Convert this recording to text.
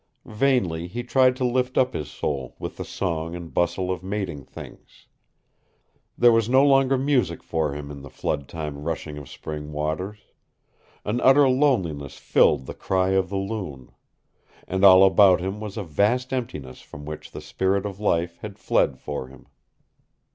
Vainly he tried to lift up his soul with the song and bustle of mating things. There was no longer music for him in the flood time rushing of spring waters. An utter loneliness filled the cry of the loon. And all about him was a vast emptiness from which the spirit of life had fled for him.